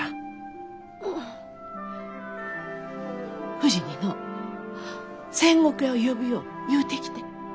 ふじにのう仙石屋を呼ぶよう言うてきて。